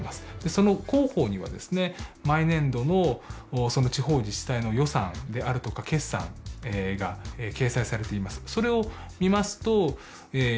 その広報にはですね毎年度の地方自治体の予算であるとか決算が掲載されています。